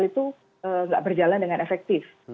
itu tidak berjalan dengan efektif